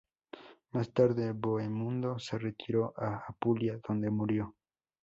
Más tarde, Bohemundo se retiró a Apulia donde murió.